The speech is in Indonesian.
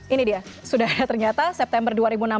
ini dia sudah ternyata september dua ribu enam belas